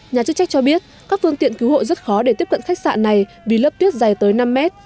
nhà chức trách cho biết các phương tiện cứu hộ rất khó để tiếp cận khách sạn này vì lớp tuyết dày tới năm mét